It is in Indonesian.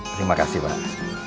terima kasih pak